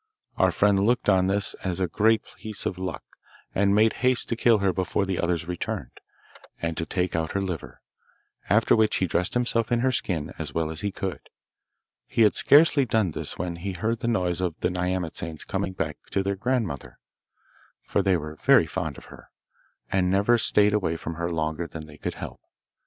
Our friend looked on this as a great piece of luck, and made haste to kill her before the others returned, and to take out her liver, after which he dressed himself in her skin as well as he could. He had scarcely done this when he heard the noise of the nyamatsanes coming back to their grandmother, for they were very fond of her, and never stayed away from her longer than they could help.